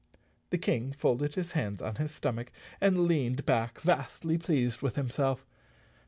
The King folded his hands on his stomach and leaned back vastly pleased with himself.